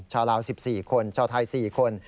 ชาวลาว๑๔คนชาวไทย๔คน